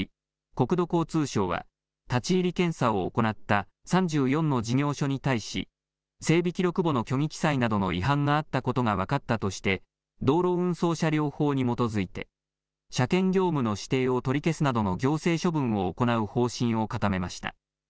国土交通省は立ち入り検査を行った３４の事業所に対し整備記録簿の虚偽記載などの違反があったことが分かったとして道路運送車両法に基づいて車検業務の指定を取り消すなどの行政処分を行う方針を固めました。